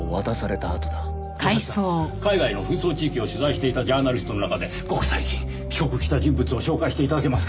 正木さん海外の紛争地域を取材していたジャーナリストの中でごく最近帰国した人物を照会して頂けますか？